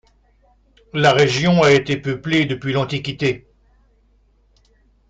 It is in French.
La région a été peuplée depuis l'Antiquité.